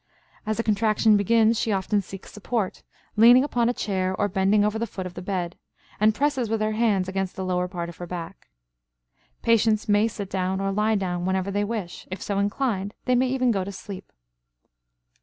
As a contraction begins she often seeks support, leaning upon a chair or bending over the foot of the bed, and presses with her hands against the lower part of her back. Patients may sit down or lie down whenever they wish; if so inclined they may even go to sleep.